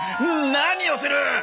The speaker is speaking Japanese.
何をする！